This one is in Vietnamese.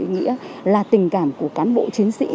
nghĩa là tình cảm của cán bộ chiến sĩ